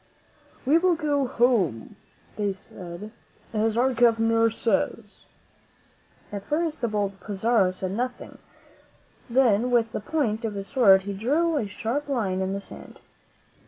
"We will go home," they said, "as our Governor says." At first the bold Pizarro said nothing; then with the point of his sword he drew a sharp line in the sand.